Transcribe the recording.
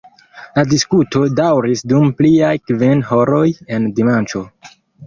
La diskuto daŭris dum pliaj kvin horoj en dimanĉo.